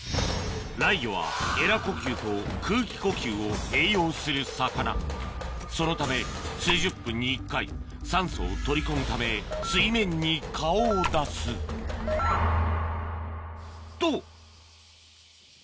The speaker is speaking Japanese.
ライギョはエラ呼吸と空気呼吸を併用する魚そのため数十分に１回酸素を取り込むため水面に顔を出すと！